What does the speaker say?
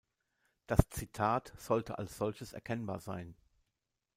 Das Zitat sollte als solches erkennbar sein.